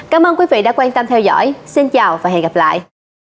cảm ơn quý vị đã quan tâm theo dõi xin chào và hẹn gặp lại